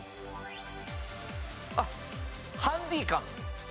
あっハンディカム。